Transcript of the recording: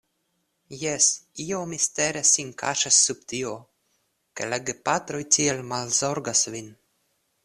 Jes; io mistera sin kaŝas sub tio, ke la gepatroj tiel malzorgas vin.